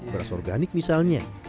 beras organik misalnya